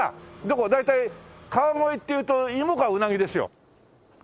大体川越っていうとイモかウナギですよ。